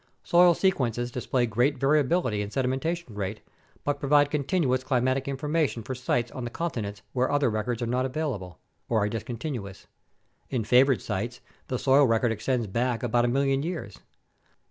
Soil sequences display great variability in sedimentation rate but provide continuous climatic information for sites on the continents where other records are not available (or are discontinuous); in favored sites, the soil record extends back about a million years.